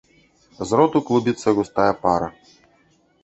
З роту клубіцца густая пара.